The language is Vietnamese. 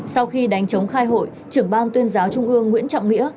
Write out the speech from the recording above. sau khi đánh chống khai hội trưởng ban tuyên giáo trung ương nguyễn trọng nghĩa